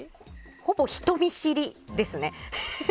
ほぼ人見知りですね。